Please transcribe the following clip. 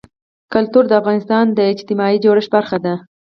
کلتور د افغانستان د اجتماعي جوړښت برخه ده.